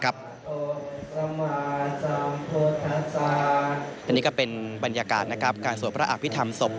อันนี้ก็เป็นบรรยากาศการสวดพระอภิษฐรรมศพ